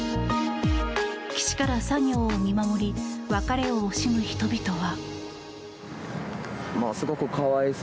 岸から作業を見守り別れを惜しむ人々は。